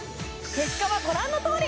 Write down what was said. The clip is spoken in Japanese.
結果はご覧のとおり！